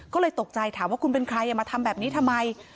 ก็เลยตกใจถามว่าคุณเป็นใครมาทำแบบนี้ทำไม